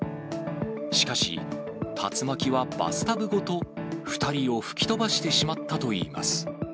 しかし、竜巻はバスタブごと２人を吹き飛ばしてしまったといいます。